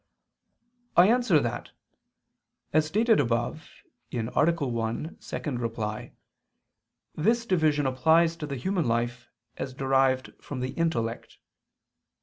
I answer that, As stated above (A. 1, ad 2), this division applies to the human life as derived from the intellect.